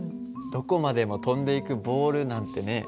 どこまでも飛んでいくボールなんてね。